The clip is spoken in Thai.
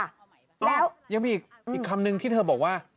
อ้าวยังมีอีกคำนึงที่เธอบอกว่า